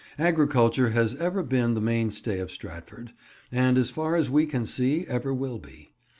Agriculture has ever been the mainstay of Stratford, and as far as we can see, ever will be.